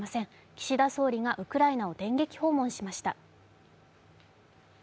岸田総理がウクライナを電撃訪問しました。